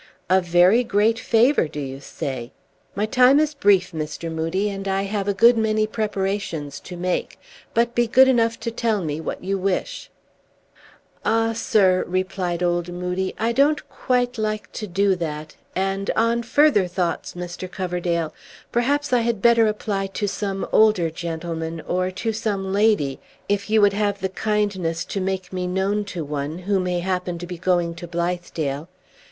"A very great favor, do you say? My time is brief, Mr. Moodie, and I have a good many preparations to make. But be good enough to tell me what you wish." "Ah, sir," replied Old Moodie, "I don't quite like to do that; and, on further thoughts, Mr. Coverdale, perhaps I had better apply to some older gentleman, or to some lady, if you would have the kindness to make me known to one, who may happen to be going to Blithedale.